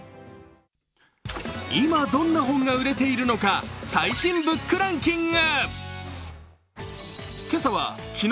今どんな本が売れているのか最新ブックランキング。